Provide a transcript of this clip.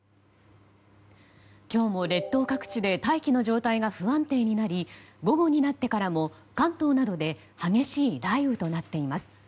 今日も列島各地で大気の状態が不安定になり午後になってからも関東などで激しい雷雨となっています。